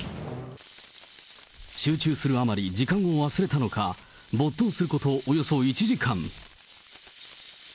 集中するあまり、時間を忘れたのか、没頭することおよそ１時間。